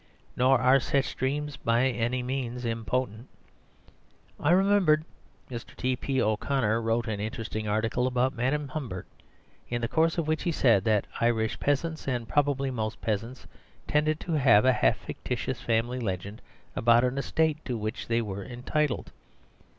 Nor are such dreams by any means impotent. I remember Mr. T.P. O'Connor wrote an interesting article about Madame Humbert, in the course of which he said that Irish peasants, and probably most peasants, tended to have a half fictitious family legend about an estate to which they were entitled.